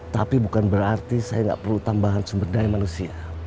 tapi bukan berarti saya tidak perlu tambahan sumber daya manusia